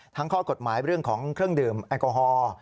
ข้อกฎหมายเรื่องของเครื่องดื่มแอลกอฮอล์